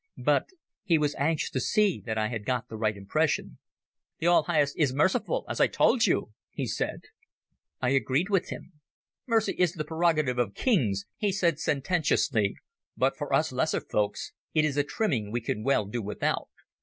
But he was anxious to see that I had got the right impression. "The All Highest is merciful, as I told you," he said. I agreed with him. "Mercy is the prerogative of kings," he said sententiously, "but for us lesser folks it is a trimming we can well do without."